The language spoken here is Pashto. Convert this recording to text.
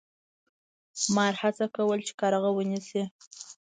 مار هڅه کوله چې کارغه ونیسي.